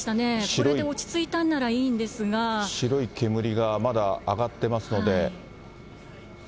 これで落ち着いたんならいいんで白い煙がまだ上がってますので。